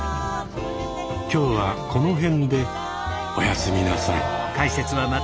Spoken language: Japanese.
今日はこの辺でおやすみなさい。